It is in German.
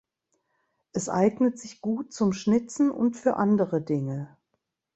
Es eignet sich gut zum Schnitzen und für andere Dinge.